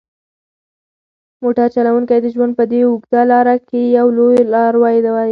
موټر چلونکی د ژوند په دې اوږده لاره کې یو لاروی دی.